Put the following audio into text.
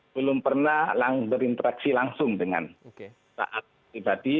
belum pernah berinteraksi langsung dengan taat pribadi